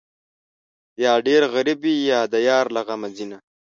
یا ډېر غریب وي، یا د یار له غمه ځینه